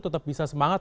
tetap bisa semangat